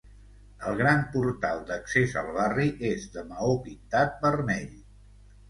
El gran portal d'accés al barri és de maó pintat vermell.